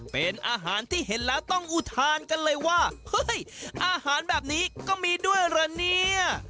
เป็นอาหารที่เห็นแล้วต้องอุทานกันเลยว่าเฮ้ยอาหารแบบนี้ก็มีด้วยเหรอเนี่ย